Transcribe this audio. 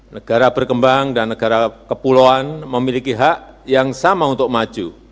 negara berkembang dan negara kepulauan memiliki hak yang sama untuk maju